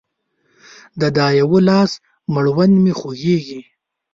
د دا يوه لاس مړوند مې خوږيږي